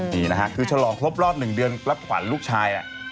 นี่นะฮะคือฉลองครบรอบ๑เดือนรับขวัญลูกชาย